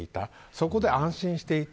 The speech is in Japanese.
そこで安心していた。